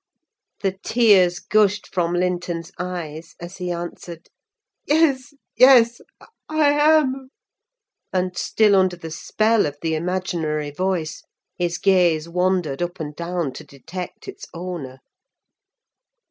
The tears gushed from Linton's eyes as he answered, "Yes, yes, I am!" And, still under the spell of the imaginary voice, his gaze wandered up and down to detect its owner.